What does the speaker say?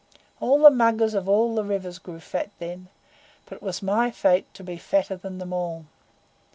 All the muggers of all the rivers grew fat then, but it was my Fate to be fatter than them all.